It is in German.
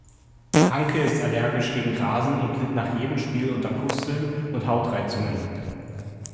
Hanke ist allergisch gegen Rasen und litt nach jedem Spiel unter Pusteln und Hautreizungen.